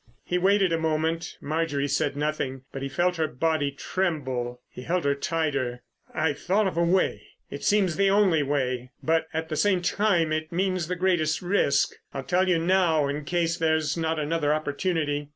He waited a moment. Marjorie said nothing, but he felt her body tremble. He held her tighter. "I've thought of a way. It seems the only way, but, at the same time, it means the greatest risk. I'll tell you now in case there's not another opportunity.